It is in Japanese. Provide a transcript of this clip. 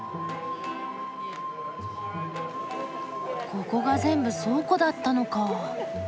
ここが全部倉庫だったのか。